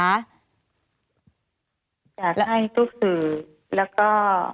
ค่ะก็ให้ทุกสื่อแล้วก็